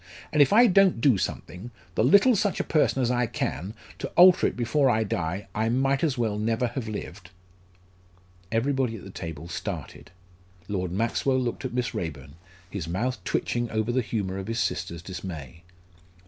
"And if I don't do something the little such a person as I can to alter it before I die, I might as well never have lived." Everybody at table started. Lord Maxwell looked at Miss Raeburn, his mouth twitching over the humour of his sister's dismay.